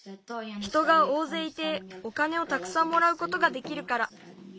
人がおおぜいいてお金をたくさんもらうことができるから。